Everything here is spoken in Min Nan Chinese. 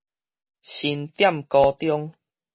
新店高中